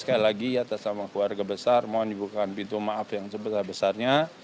sekali lagi atas nama keluarga besar mohon dibukakan pintu maaf yang sebesar besarnya